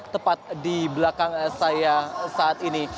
tepat di belakang saya saat ini